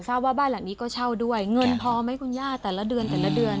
ว่าบ้านหลังนี้ก็เช่าด้วยเงินพอไหมคุณย่าแต่ละเดือนแต่ละเดือน